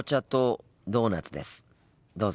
どうぞ。